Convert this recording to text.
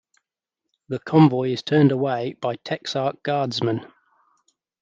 The convoy is turned away by Texark guardsmen.